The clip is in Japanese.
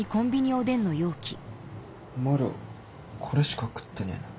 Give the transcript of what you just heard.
お前らこれしか食ってねえの？